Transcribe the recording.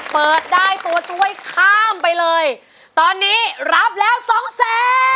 เปิดได้ตัวช่วยข้ามไปเลยตอนนี้รับแล้วสองแสน